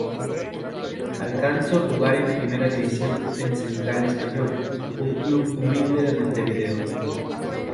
Alcanzó a jugar en primera división en Central Español, un club humilde de Montevideo.